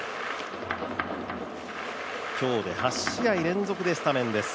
今日で８試合連続でスタメンです。